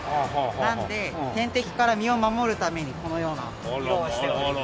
なので天敵から身を守るためにこのような色をしております。